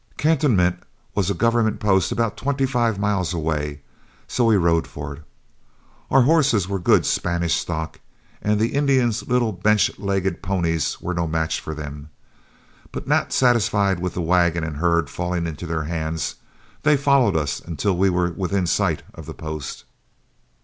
"Cantonment was a government post about twenty five miles away, so we rode for it. Our horses were good Spanish stock, and the Indians' little bench legged ponies were no match for them. But not satisfied with the wagon and herd falling into their hands, they followed us until we were within sight of the post.